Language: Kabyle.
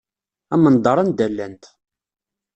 Amendeṛ anda llant.